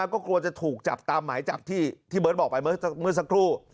ก็กลัวจะถูกจับตามหมายจับที่เบิร์ตบอกไปเมื่อสักครู่